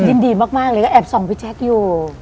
ยินดีมากเลยก็แอบส่องพี่แจ๊คอยู่